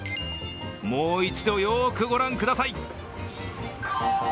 もう一度、よーくご覧ください。